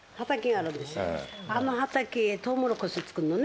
あの畑、トウモロコシ作るのね。